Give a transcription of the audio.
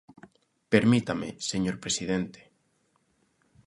Permítame, señor presidente.